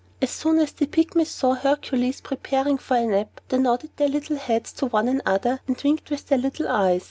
As soon as the Pygmies saw Hercules preparing for a nap, they nodded their little heads at one another, and winked with their little eyes.